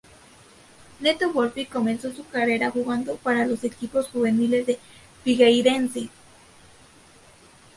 Neto Volpi comenzó su carrera jugando para los equipos juveniles de Figueirense.